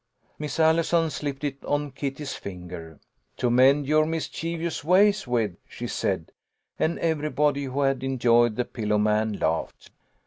Miss Allison slipped it on Kitty's finger. "To mend your mischievous ways with," she said, and everybody who had enjoyed the pillow man laughed.